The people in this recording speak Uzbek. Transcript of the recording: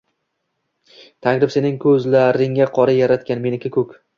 Tangrim sening ko'zlaingni qora yaratgan, menikini — ko'k.